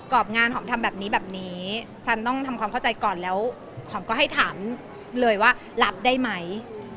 รอบงานหอมทำแบบนี้แบบนี้ฉันต้องทำความเข้าใจก่อนแล้วหอมก็ให้ถามเลยว่ารับได้ไหม